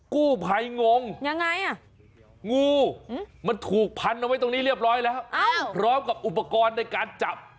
กู้ภัยงงยังไงอ่ะงูมันถูกพันเอาไว้ตรงนี้เรียบร้อยแล้วพร้อมกับอุปกรณ์ในการจับ